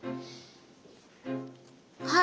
はい！